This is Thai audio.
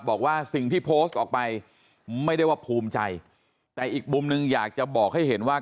บอกว่าสิ่งที่โพสต์ออกไปไม่ได้ว่าภูมิใจแต่อีกมุมหนึ่งอยากจะบอกให้เห็นว่า